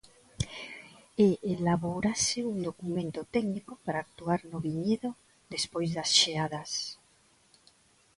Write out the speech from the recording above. E elabórase un documento técnico para actuar no viñedo despois das xeadas.